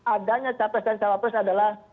adanya capres dan cawapres adalah